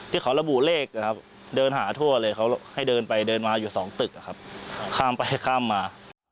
ที่เขาระบุเลขเดินหาทั่วเลยเขาให้เดินไปเดินมาอยู่๒ตึกข้ามไปข้ามมา